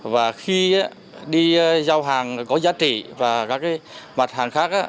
và khi đi giao hàng có giá trị và các mặt hàng khác